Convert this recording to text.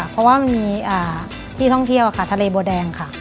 เพราะว่ามันมีที่ท่องเที่ยวค่ะทะเลบัวแดงค่ะ